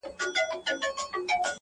• غلامان دي د بل غولي ته روزلي -